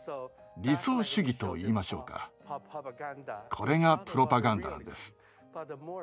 理想主義と言いましょうかこれがプロパガンダなんです。